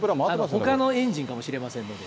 ほかのエンジンかもしれませんので、これね。